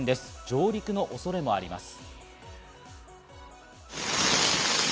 上陸の恐れもあります。